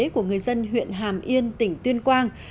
của người dân huyện hàm yên tỉnh tuyên quang